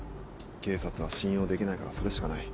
警察は信用できないからそれしかない。